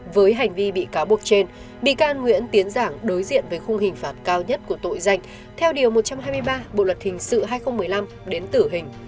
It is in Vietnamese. với hành vi bị cáo buộc trên bị can nguyễn tiến giảng đối diện với khung hình phạt cao nhất của tội danh theo điều một trăm hai mươi ba bộ luật hình sự hai nghìn một mươi năm đến tử hình